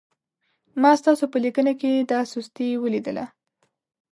ما ستاسو په لیکنه کې دا سستي ولیدله.